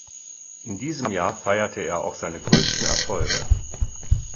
In diesem Jahr feierte er auch seine größten Erfolge.